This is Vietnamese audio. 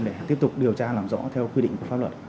để tiếp tục điều tra làm rõ theo quy định của pháp luật